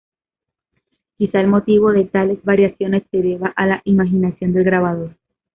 Quizá el motivo de tales variaciones se deba a la imaginación del grabador.